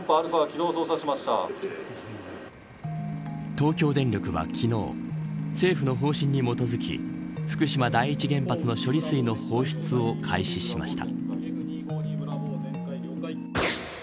東京電力は昨日政府の方針に基づき福島第１原発の処理水の放出を開始しました。